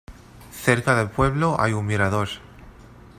Cerca del pueblo hay un mirador.